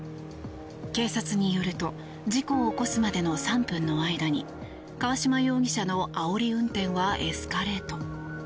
警察によると事故を起こすまでの３分の間に川島容疑者のあおり運転がエスカレート。